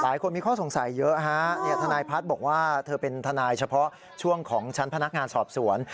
หลายคนมีข้อสงสัยเยอะฮะทนายพัฒน์บอกว่าเธอเป็นทนายเฉพาะช่วงของชั้นพนักงานสอบสวน